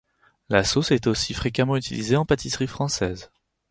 La sauce est aussi fréquemment utilisée en pâtisserie française.